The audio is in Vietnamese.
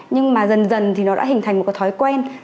nhưng mà dần dần thì nó đã hình thành một cái thói quen